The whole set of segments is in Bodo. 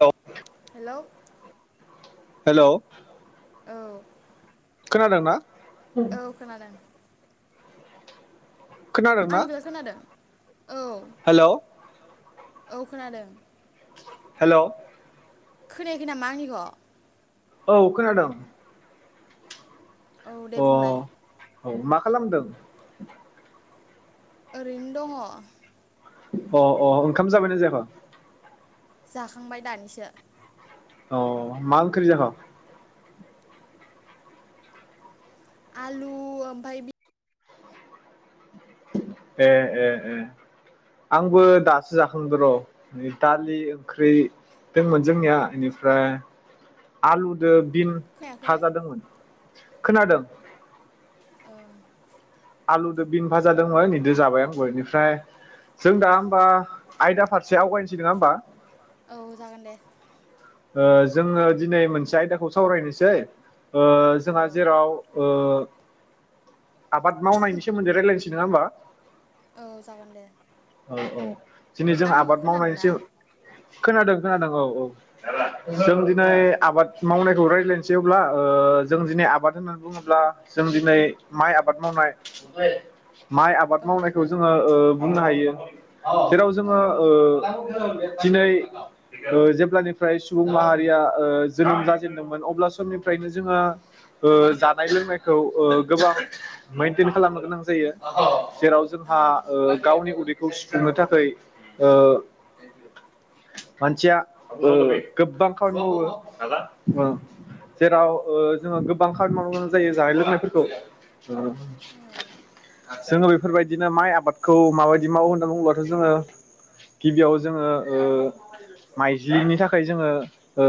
औ हेलौ हेलौ औ खोनादों ना औ खोनादों खोनादोंना आंनि बेल खोनादों औ हेलौ' औ खोनादों हेलौ खोनायाखै नामा आंनिखौ औ खोनादों औ दे अ बुंलाय औ मा खालामदों ओरैनो दङ अ अ ओंखाम जाबायना जायाखय जाखांबाय दानिसो अ मा ओख्रि जाख आलु ओमफाय ए ए ए आंबो दासो जाखांदों र नै दालि ओंख्रि दंमोन जोंनिया ओनिफ्राय आलुदो बिन खोनायाखै भाजादोंमोन खोनादों ओं आलुदो बिन भाजादोंमोन इदो जाबाय आं बेनिफ्राय जों ए दा होमबा आयदा फारसे आवगायनोसै नोङा होमबा औ जागोन दे ओ जोङो दिनै मोनसे आयदाखौ सावरायनोसै ओ औ जोंहा जेराव ओ आबाद मावनायनि सोमोन्दै रायजलायनोसै नोङा होमबा औ जागोन दे औ औ दिनै जों आंनिखौ आबाद मावनायनि खोनादोंना सो खोनादों खोनादों औ औ। जों दिनै ओं आबाद मावनायखौ रायज्लायनोसै अब्ला। ओ जों दिनै आबाद होननानै बुङोब्ला जों दिनै माइ आबाद मावनाय। माइ औ आबाद मावनायखौ जोङो ओ बुंनो हायो। जेराव औ जोङो ओ दिनै जेब्लानिफ्राय सुबुं माहारिया ओ जोनोम जाजेनदोंमोन अब्ला समनिफ्रायनो जोङो जानाय लोंनायखौ ओ गोबां मेेनटेन खालामनो गोनां जायो। जेराव औ जोंहा ओ गावनि उदै खौ सुफुंनो थाखायै ओ मानसिया ओ गोबां खामानि मावो ओ जेराव जोङो गोबां खामानि मावनो गोनां जायो जानाय लोंनायफोरखौ औ जोङो बेफोरबायदिनो माइ आबादखौ माय बि माव होनना बुङोबथ' जोङो गिबियाव जोङो ओ माइज्लिनि थाखाय जोङो ओ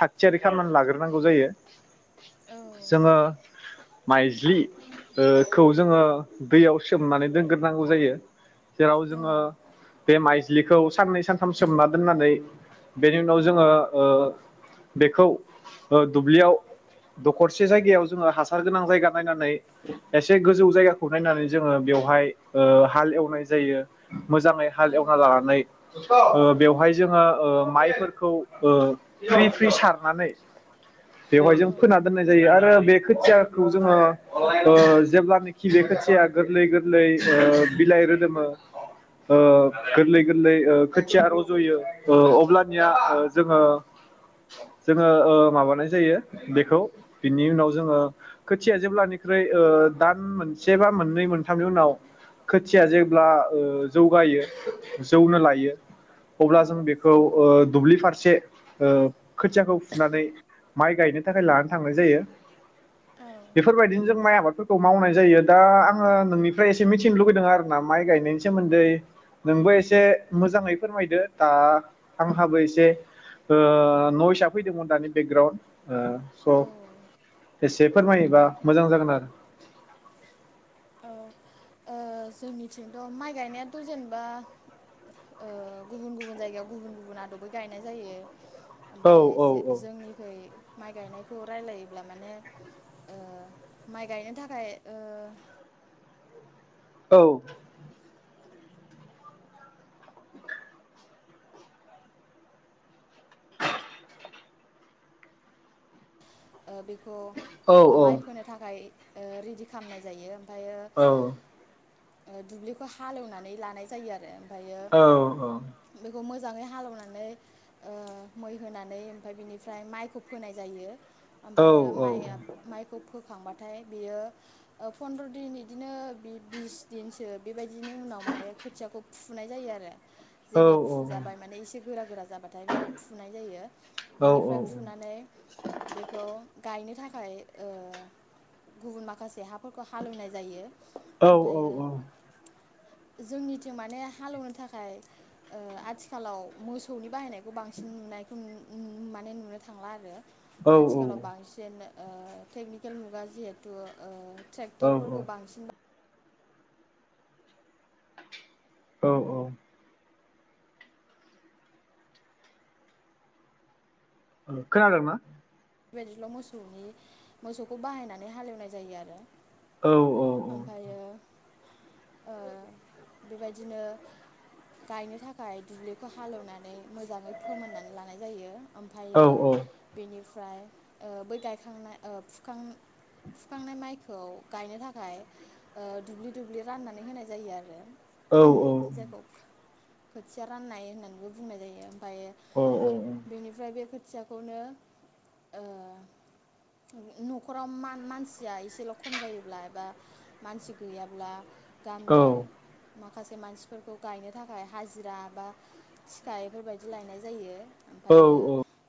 थागथियारि खालामनानै लाग्रोनांगौ जायो। औ जोङो माइज्लि ओ खौ जोङो दैयाव सोमनानै दोनग्रोनांगौ जायो। जेराव औ जोङो बे माइ। ज्लिखौ साननै सानथाम सोमना दोननानै बेनि उनाव जोङो ओ बेखौ दुब्लियाव दखरसे जायगायाव जोङो हासार गोनां जायगा नायनानै एसे गोजौ जायगाखौ नायनानै जोङो बेवहाय ओ हाल एव नाय जायो। मोजाङै हालेवना लानानै ओ बेवहाय जोङो ओ माइफोरखौ फ्रि फ्रि सारनानै बेवहाय जों औ फोना दोननाय जायो आर बे खोथियाखौ जोङो ओ जेब्लानोखि बे खोथिया गोरलै गोरलै ओ बिलाइ गोरलै गोरलै ओ खोथिया रजयो ओ अब्लानिया ओ जोङो ओ माबानाय जायो। बेखौ बिनि उनाव जोङो खोथिया जेब्लानिख्रुइ दान मोनसे बा मोननै मोनथामनि उनाव खोथिया जे जब्ला ओ जौगायो जौनो लायो अब्ला जों बेखौ ओ दुब्लि फारसे ओ खोथियाखौ फुनानै माइ गायनो थाखाय लानो थांनाय जायो। बेफोर बायदिनो जों माइ आ आबादफोरखौ मावनाय जायो दा आङो नोंनिफ्राय एसे मिथिनो लुुबैदों आरो आंना माइ गायनायनि सोमोन्दै नोंबो एसे मोजाङै फोरमायदो दा आंहाबो एसे नयस आ फैदोंमोन दानि बेगग्राउड। ओ औ औ स' एसे फोरमायोबा मोजां जागोन आरो। औ ओ जोंनिथिंथ' माइ गायनायाथ' जेनेबा ओ‌ गुबुन गुबुन जायगायाव गुबुन गुबुन आदबै गायनाय जायो। ओमफाय औ जे- औ जोंनिखै माइ गायनायखौ रायलायोब्ला माने ओ माइ गायनो थाखाय ओ औ। बेखौ औ माइ फोनो थाखाय। ओ रेडि खालामनाय जायो। ओमफ्रायो औ। दुब्लिखौ हालेवनानै लानाय जायो आरो। ओमफ्रायो औ औ। बेखौ मोजाङै हालौनानै ओ मै होनानै ओमफ्राय बिनिफ्राय माइखौ फोनाय जायो। औ ओमफयो माया माइखौ फोखांबाथाय बियो ऐ फन्द्र' दिन बिदिनो बिस दिनसो बे बायदि बिनि उनाव माने खोथियाखौ फु फुनाय जायो आरो। औ जेब्ला फुजाबाय माने एसे गोरा गोरा जाबाथाय बेखौ फुनाय जायो बेनिफ्राय फुनानै बे गायनो थाखाय ओ गुबुन माखासे हाफोरखौ हालेवनाय जायो। ओमफाय जोंनिथिं माने हालेवनो थाखाय ओ आथिखालाव मोसौनि बाहायनायखौ बांसिन नुनायखौ माने नुनो थांला आरो औ आथिखालाव बांसिन ओ टेकनिकेल मुगा जिहेथु ओ औ ट्रेक्टरफोरखौ बांसिन बा औ औ औ खोनादों ना बेबायदिल' मोसौनि मोसौखौ बाहायनानै हालेवनाय जायो आरो औ ओमफायो ओ बेबायदिनो गायनो थाखाय दुब्लिखौ हालेवनानै मोजाङै फोमोननानै लानाय जायो औ ओमफ्रायो औ बेनि फ्राय ओ बै गायखांनाय ओ फुखां फुखांनाय माइखौ गायनो थाखाय ओ दुब्लि दुब्लि राननानै होनाय जायो आरो औ जायखौ खोथिया राननाय होननानैबो बुंनाय जायो बाय बेनिफ्राय बे खोथियाखौनो ओ न'खराव मान-मानसिया एसेल' खम जायोब्ला एबा मानसि गैयाब्ला गामियाव मा खासे मानसिफोरखौ गायनो थाखाय हाजिरा बा थिखा बेफोरबायदि लायनाय जायो ओमफ्रायो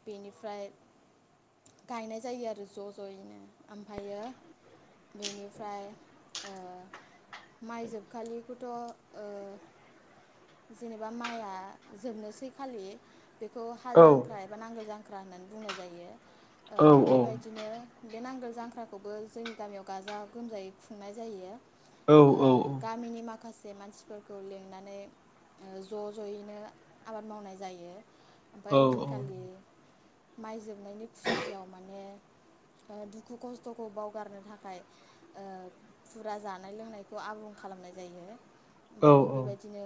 बेनि फ्राय गायनाय जायो आरो ज' ज'यैनो ओमफ्रायो बेनिफ्राय ओ माइ जोबखालिखौथ' ओ जेनेबा माइआ जोबनोसै खालि बेखौ हाल जांख्रा बा नांगोल जां ख्रा होननानै बुंनाय जायो ओ बेबायदिनो बे नांगोल जांख्राखौबो जोंनि गामियाव गाजा गोमजायै खुंनाय जायो ओ गामिनि माखा से मानसिफोरखौ लिंनानै ओ ज' ज'यैनो आबाद मावनाय जायो ओमफाय औ ओइदिनखालि माइ जोबनायनि खुसियाव माने ओ दुखु खस्थ'खौ बावगारनो थाखाय ओ फुरा जानाय लोंनायखौ आबुं खालामनाय जायो ओमफाय बेबायदिनो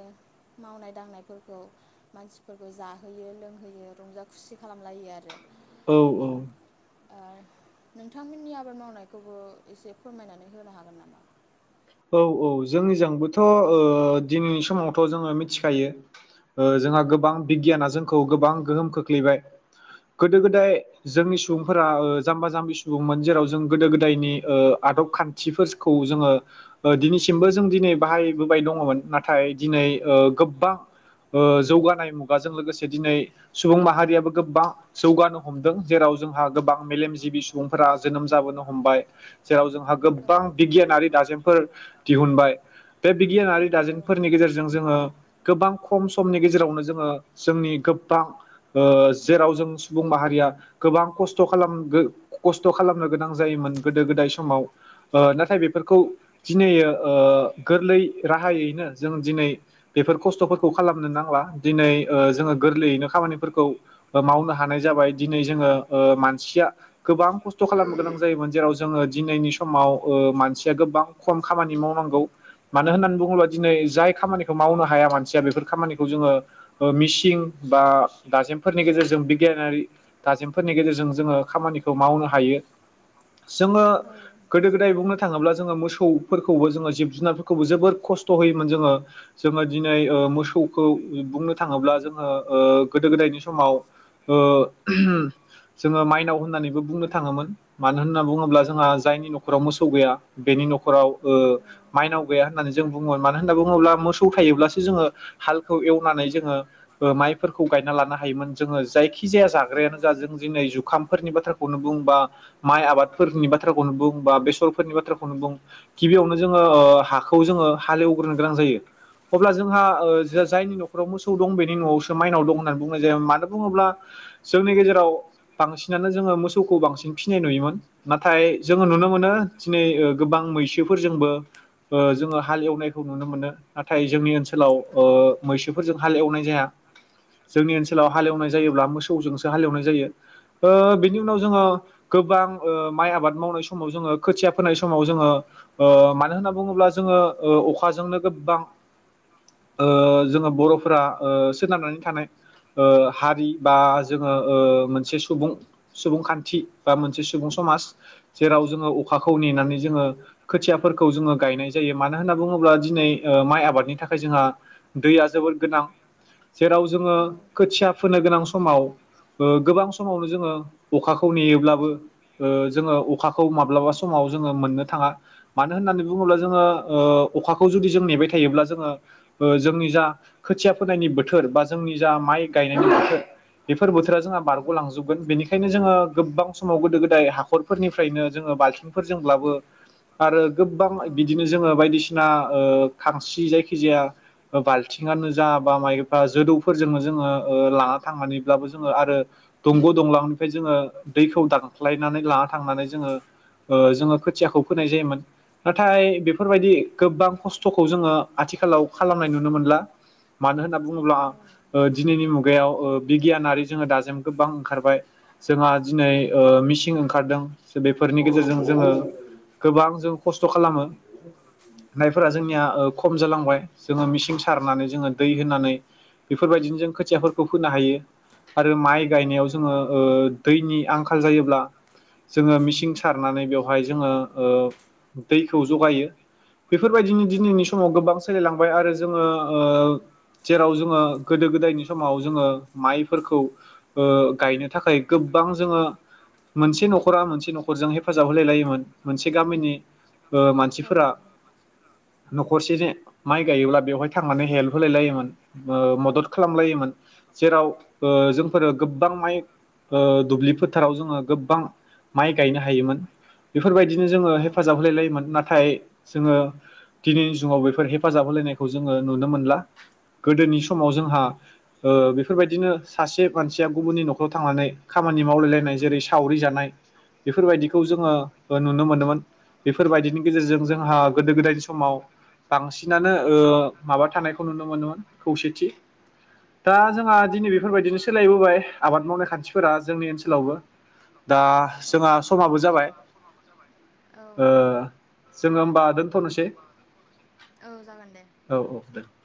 मावनाय दांनायफोरखौ मानसिफोरखौ जाहोयो लोंहोयो रंजा खुसि खालामलायो आरो औ ओ नोंथांमोननि आबाद मावनायखौबो एसे फोरमायनानै होनो हागोन नामा औ औ जोंनिजोंबोथ' ओ दिनैनि समावथ' जोङो मिथिखायो ओ जोंहा गोबां बिगियाना जोंखौ गोबां गोहोम खोख्लैबाय गोदो गोदाय जोंनि सुबुंफोरा ओ जाम्बा जाम्बि सुबुंमोन जेराव जों गोदो गोदायनि ओ आदब खान्थिफोरखौ जोङो ओ दिनै सिमबो जों दिनै बाहायबोबाय दङमोन नाथाय दिनै ओ गोबबां ओ जौगानाय मुगाजों लोगोसे दिनै सुबुं माहारियाबोओ गोबां जौगानो हमदों जेराव जोंहा गोबां मेलेमजिबि सुबुंफोरा जोनोम जाबोनो हमबाय जेराव जोंहा औ गोबां बिगियानारि दाजेम फोर दिहुनबाय बे बिगियानारि औ दाजेनफोरनि गेजेरजों जोङो गोबां खम समनि गेजेरावनो जोङो जोंनि गोबां ओ जेराव जों सुबुं माहारिया गोबां खस्थ' खालाम खस्थ' खालामनो गोनां जायोमोन गोदो गोदाय समाव ओ नाथाय बेफोरखौ दिनै ओ गोरलै राहायैनो जों दिनै बेफोर खस्थ'फोरखौ खालामनो नांला दिनै ओ जोङो गोरलैयैनो खामानिफोरखौ मावनो हानाय जाबाय दिनै जोङो ओ मानसिया गोबां खस्थ' खालामनो गोनां जायोमोन जेराव जोङो दिनैनि समाव ओ मानसिया गोबां खम खामानि मावनांगौ मानो होननानै बुङोब्ला दिनै जाय खामानिखौ मावनो हाया मानसिया बेफोर खामानिखौ जोङो ओ मिसिं बा दाजेमफोरनि गेजेरजों बिगियानारि दाजेमफोरनि गेजेरजों जोङो खामानिखौ मावनो हायो जोङो औ गोदो गोदाय बुंनो थाङोब्ला जोङो मोसौ मोसौफोरखौबो जोङो जिब जुनारफोरखौबो जोबोर खस्थ' होयोमोन जोङो जोङो दिनै मोसौखौ बुंनो थाङोब्ला जोङो ओ गोदो गोदायनि समाव ओ जोङो ओ माइनाव होननानैबो बुंनो थाङोमोन मानो होनना बुङोब्ला जोंहा जायनि न'खराव मोसौ गैया बेनि नखर राव ओ माइनाव गैया होननानै जों बुङोमोन मानो होनना बुङोब्ला मोसौ थायोब्लासो जोङो हालखौ ओ एवनानै जोङो ओ माइफोरखौ गायना लानो हायोम जो जायखि खिजाया औ जाग्रायानो जा जों जोंनि जुखाम फोरनि बाथ्राखौनो बुं बा माइ आबादफोरनि बाथ्राखौनो बुं बा बेसरफोरनि बाथ्राखौनो बुं गिबियावनो जोङो ओ हाखौ जोङो हालेवग्रोनो गोनां जायो अब्ला जोंहा ओ जा जायनि न'खराव मोसौ दं बे नि न'आवसो माइनाव दं होननानै बुंनाय जायो मानो बुङोब्ला जोंनि गेजेराव बांसिनानो जोङो मोसौखौ बांसिन फिसिनाय नुयोमोन ना नाथाय जोङो नुनो औ मोनो दिनै गोबां मैसोफोरजोंबो जोङो हाल एवनायखौ नुनो मोनो नाथाय जोंनि ओनसोलाव आव ओ मैसोफोरजों हाल एवनाय जाया जोंनि ओनसोलाव हालेवनाय जायोब्ला मोसौजोंसो हालेवनाय जायो जायो ओ बिनि उनाव जोङो गोबां ओ माइ आबाद मावनाय समाव जोङो खोथिया फोनाय सम समाव जोङो ओ मानो होननानै बुङोब्ला जोङो अखाजोंनो गोबां जोङो ओ बर'फोरा सोनारनानै थानाय ओ हारि बा जोङो मोनसे ओ सुबुं सुबुंखान्थि बा मोनसे सुबुं समाज जेराव जोङो अखाखौ नेनानै जोङो खोथियाफोरखौ जोङो गायनाय जायो मानो होनना बुङोब्ला दिनै ओ माइ आबादनि थाखाय जोंहा दैया जोबोर गोनां जेराव जोङो खोथिया फोनो गोनां समाव गोबां समावनो जोङो ओ अखाखौ नेयोब्लाबो जोङो अखाखौ माब्लाबा समाव जों ओ जोङो मोननो थाङा मानो होननानै बुङोब्ला जोङो ओ अखाखौ जुदि जों नेबाय थायोब्ला जोङो जोंनि ओ जा खोथिया फोनायनि बोथोर बा जोंनि जा माइ गायनायनि बोथोर बेफोर बोथोरा जोंहा बारग'लांजोबगोन बेनिखायनो जोङो गोबां समाव गोदो गोदाय हाखरफोरनिफ्रायनो जोङो बालथिं फोरजोंब्लाबो आरो गोबां बिदिनो जोङो बायदिसिना ओ बायसिना ओ खांसि जायखिजाया बाल्थिंआनो जा बा माइफा जोदौफोरजोंनो जोङो लाना थांनानैब्लाबो जोङो आरो दंग' दंला'निफ्राय जोङो दैखौ दानफ्लायनानै लाना थांनानै जोङो ओ जोङो खोथियाखौ फोनाय जायोमोन नाथाय बेफोरबायदि गोबां खस्थ'खौ जोङो आथिखालाव खालामनाय नुनो मोनला मानो होनना बुङोब्ला औ औ ओ दिनैनि मुगायाव ओ बिगियानारि जोङो दाजेम गोबां ओंखारबाय जोंहा दिनै ओ मिसिं ओंखारदों बेफोरनि नि गेजेरजों औ जोङो गोबां जों खस्थ' खालामो जायफोरा जोंनिया ओ खम जालांबाय जोङो मिेसिं सारनानै जोङो दै होनानै बेफोरबायदिनो जों खोथियाफोरखौ फोनो हायो आरो माइ औ गायनायाव जोङो ओ दैनि आंखाल जायोब्ला जोङो मिसिं सारनानै बेवहाय जोङो ओ दैखौ जगायो बेफोरबायदिनो दिनैनि समाव गोबां सोलायलांबाय आरो जोङो ओ जेराव जोङो गोदो गोदायनि समाव जोङो माइफोरखौ ओ गायनो थाखाय गोबां जोङो मोनसे न'खरा मोनसे न'खर नखरजों हेफाजाब होलाय लायोमोन मोनसे गामिनि ओ मानसिफोरा न'खरसे माइ गायोब्ला बेवहाय थांनानै हेल्प होलाय लायोमोन ओ मदद खालामलायोमोन जेराव ओ जोंफोरो गोबां माइ ओ दुब्लि फोथाराव जोङो गोबां माइ गायनो हायोमोन बेफोरबायदि बिदिनो जोङो हेफाजाब होलायलायोमोन नाथाय जोङो दिनैनि जुगाव बेफोर हेफाजाब होलायनायखौ जोङो नुनो मोनला गोदोनि समाव जोंहा ओ बेफोरबायदिनो सासे मानसिया गुबुननि न'खराव थांनानै खामानि मावलाय लायनाय जेरै सावरि जानाय बेफोरबायदिखौ जोङो ओ नुनो मोनदोंमोन बे फोरबायदिनि गेजेरजों जोंहा गोदो गोदायनि समाव बांसिनानो ओ माबा थानायखौ नुनो मोनोमोन खौसेथि दा जोंहा दिनै बेफोरबायदिनो सोलायबोबाय आबाद मावनाय खान्थिफोरा जोंनि ओनसोलावबो दा जोंहा समाबो जाबाय औ ओ जोङो होमबा दोन थनोसै औ जागोन दे औ औ दे